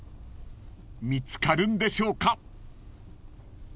［見つかるんでしょうか？］